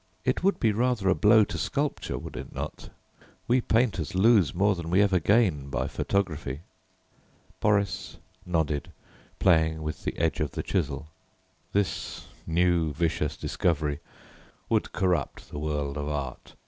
"It would be rather a blow to sculpture, would it not? We painters lose more than we ever gain by photography." Boris nodded, playing with the edge of the chisel. "This new vicious discovery would corrupt the world of art.